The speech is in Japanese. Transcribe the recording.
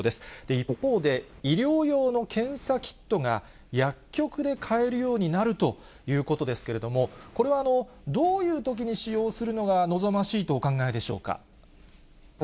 一方で、医療用の検査キットが薬局で買えるようになるということですけれども、これはどういうときに使用するのが望ましいとお考えでしょうか。